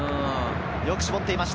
よく絞っていました。